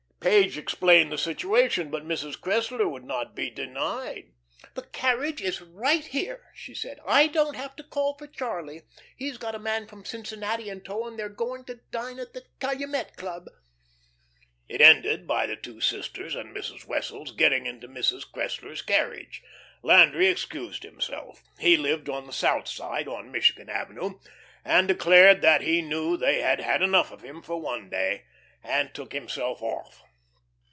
Page explained the situation, but Mrs. Cressler would not be denied. "The carriage is right here," she said. "I don't have to call for Charlie. He's got a man from Cincinnati in tow, and they are going to dine at the Calumet Club." It ended by the two sisters and Mrs. Wessels getting into Mrs. Cressler's carriage. Landry excused himself. He lived on the South Side, on Michigan Avenue, and declaring that he knew they had had enough of him for one day, took himself off.